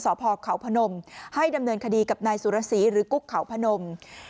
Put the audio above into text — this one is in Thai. สอบพอร์ข่าวพนมให้ดำเนินคดีกับนายสุรศรีหรือกุ๊กข่าวพนม